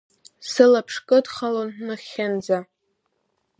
Сылаԥш кыдхалон нахьхьынӡа…